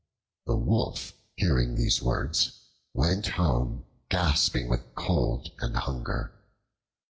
The Wolf, hearing these words, went home, gasping with cold and hunger.